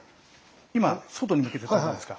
今外に向けてたじゃないですか。